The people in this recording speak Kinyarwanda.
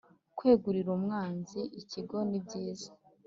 kwegurira umwanzi ikigo nibyiza